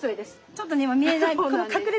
ちょっとね今見えない